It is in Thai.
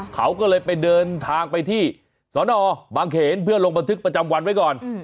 เขาก็เลยไปเดินทางไปที่สนบางเขนเพื่อลงบันทึกประจำวันไว้ก่อน